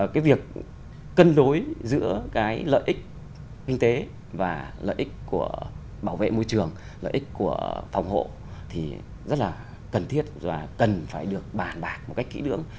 cái việc cân đối giữa cái lợi ích kinh tế và lợi ích của bảo vệ môi trường lợi ích của phòng hộ thì rất là cần thiết và cần phải được bản bạc một cách kỹ lưỡng